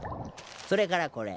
それからこれ。